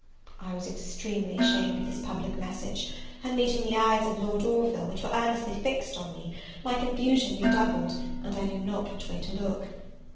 I was extremely ashamed of this public message; and, meeting the eyes of Lord Orville, which were earnestly fixed on me, my confusion redoubled, and I knew not which way to look.